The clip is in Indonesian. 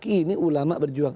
ini ulama berjuang